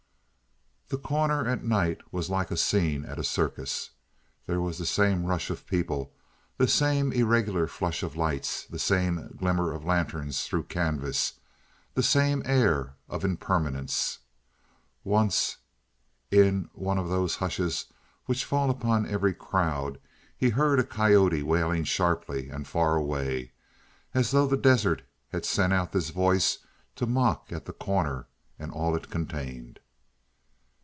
The Corner at night was like a scene at a circus. There was the same rush of people, the same irregular flush of lights, the same glimmer of lanterns through canvas, the same air of impermanence. Once, in one of those hushes which will fall upon every crowd, he heard a coyote wailing sharply and far away, as though the desert had sent out this voice to mock at The Corner and all it contained.